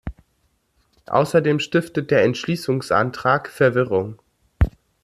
Außerdem stiftet der Entschließungsantrag Verwirrung.